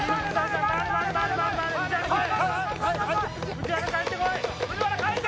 藤原かえってこい！